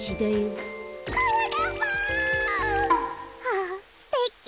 あぁすてき！